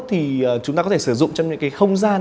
thì chúng ta có thể sử dụng trong những cái không gian